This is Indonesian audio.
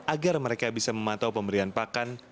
agar mereka bisa memantau pemberian pakan